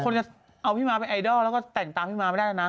จะเอาพี่ม้าเป็นไอดอลแล้วก็แต่งตามพี่ม้าไม่ได้แล้วนะ